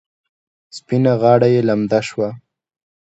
سپینه غاړه یې لنده شوه.